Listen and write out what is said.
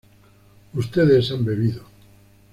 ustedes han bebido